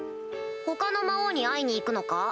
他の魔王に会いに行くのか？